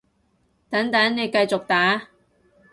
等等，你繼續打